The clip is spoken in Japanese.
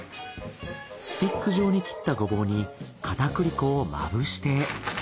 スティック状に切ったゴボウに片栗粉をまぶして。